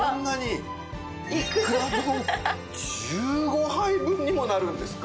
いくら丼１５杯分にもなるんですか！？